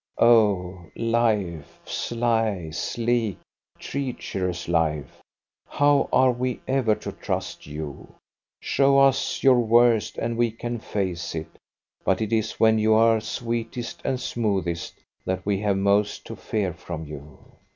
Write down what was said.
Oh, life, sly, sleek, treacherous life, how are we ever to trust you? Show us your worst and we can face it, but it is when you are sweetest and smoothest that we have most to fear from you.